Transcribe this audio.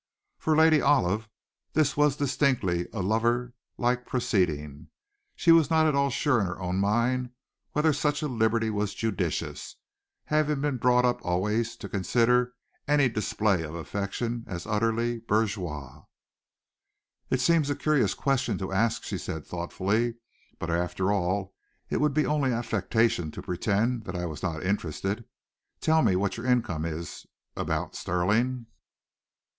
For Lady Olive, this was distinctly a lover like proceeding. She was not at all sure in her own mind whether such a liberty was judicious, having been brought up always to consider any display of affection as utterly bourgeois. "It seems a curious question to ask," she said thoughtfully; "but, after all, it would be only affectation to pretend that I was not interested. Tell me what your income is about, Stirling?"